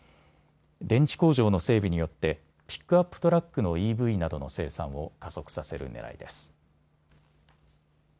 電池工場の整備によってピックアップトラックのＥＶなどの生産を加速させるねらいです。